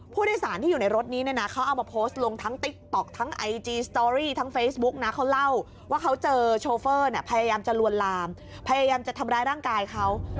ผู้โดยสารที่อยู่ในรถนี้เนี่ยนะเขาเอามาโพสต์ลงทั้งติ๊กต๊อกทั้งไอจีสตอรี่ทั้งเฟซบุ๊กนะเขาเล่าว่าเขาเจอโชเฟอร์เนี่ยพยายามจะลวนลามพยายามจะทำร้ายร่างกายเขา